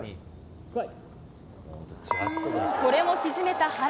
これも沈めた原。